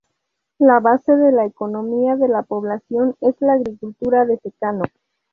La base de la economía de la población es la agricultura de secano.